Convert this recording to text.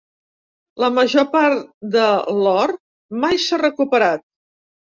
La major part de l'or mai s'ha recuperat.